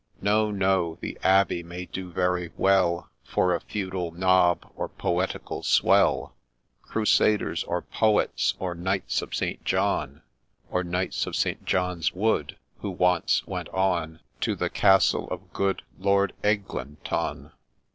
No ! no !— The Abbey may do very well For a feudal ' Nob,' or poetical ' Swell,' ' Crusaders,' or ' Poets,' or ' Knights of St. John/ Or Knights of St. John's Wood, who once went on To the ©agtle of CSoouc 3LorDe CFglintoune.